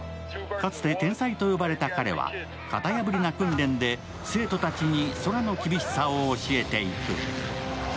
かつて天才と呼ばれた彼は型破りな訓練で生徒たちに空の厳しさを教えていく。